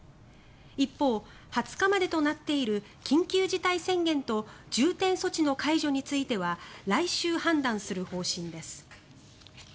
一方、２０日までとなっている緊急事態宣言と重点措置の解除については来週判断する方針です。